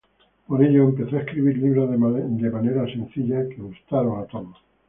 Por ello empezó a escribir libros de manera sencilla que gustaron a todos.